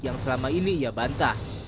yang selama ini ia bantah